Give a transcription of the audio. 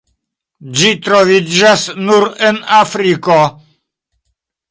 Ĝi troviĝas nur en Afriko.